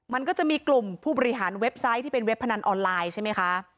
มันก็จะมีกลุ่มผู้บริหารเว็บไซต์ที่เป็นเว็บพนันออนไลน์ใช่ไหมคะ